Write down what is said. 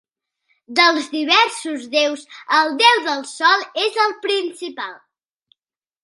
Dels diversos déus, el déu del sol és el principal.